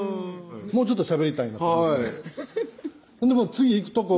もうちょっとしゃべりたいなと次行くとこ